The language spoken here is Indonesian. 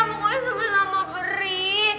pak gue sama sama beri